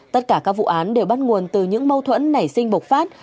tất cả các vụ án đều bắt nguồn từ những mâu thuẫn nảy sinh bộc phát